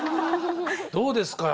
どうですか？